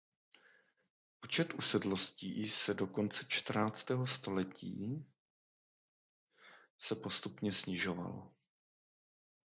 Počet usedlostí se od konce čtrnáctého století se postupně snižoval.